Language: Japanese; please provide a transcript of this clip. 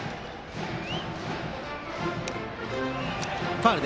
ファウル。